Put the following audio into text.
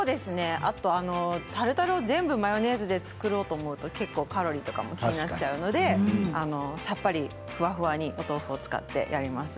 あとタルタルを全部マヨネーズで作ろうと思うと結構カロリーとか気になっちゃうのでさっぱりふわふわなお豆腐を使ってやります。